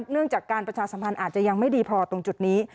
เนื่องจากการประชาสัมพันธ์อาจจะยังไม่ดีพอตรงจุดนี้